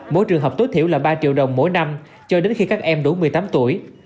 mỗi trường hợp tối thiểu là ba triệu đồng mỗi năm cho đến khi các em đủ một mươi tám tuổi